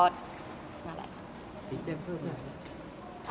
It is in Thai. มีแจ้งเพิ่มไหม